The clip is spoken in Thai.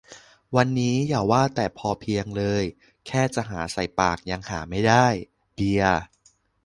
วันนี้อย่าว่าแต่พอเพียงเลย แค่จะหาใส่ปากยังหาไม่ได้ เบียร์